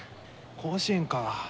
甲子園か。